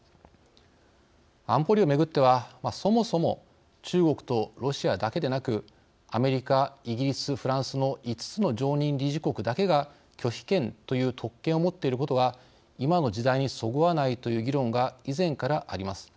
安保理を巡っては、そもそも中国とロシアだけでなくアメリカ、イギリス、フランスの５つの常任理事国だけが拒否権という特権を持っていることが今の時代にそぐわないという議論が以前からあります。